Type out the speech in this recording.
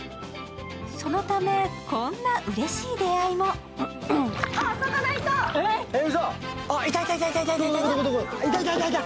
そのため、こんなうれしい出会いもいた、いた、いた！